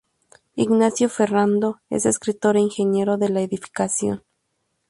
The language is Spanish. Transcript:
Ignacio Ferrando es escritor e ingeniero de la edificación.